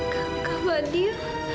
kamu sama dia